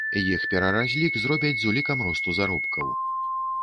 Іх пераразлік зробяць з улікам росту заробкаў.